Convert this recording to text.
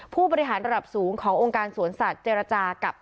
ผู้บริหารระดับสูงขององค์การสวนสัตว์เจรจากับ